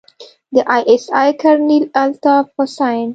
د آى اس آى کرنيل الطاف حسين.